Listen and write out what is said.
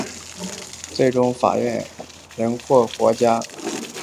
最终法案仍获国会大部份议员支持而通过。